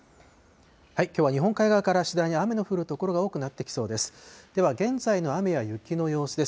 きょうは日本海側から次第に雨の降る所が多くなってきそうです。